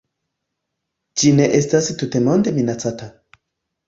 Ĝi ne estas tutmonde minacata.